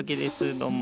どうも。